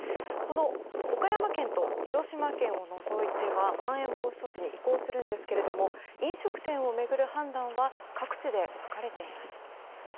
岡山県と広島県を除いてはまん延防止措置に移行するんですけれども飲食店を巡る判断は各地で分かれています。